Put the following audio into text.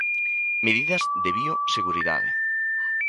Medidas de bioseguridade.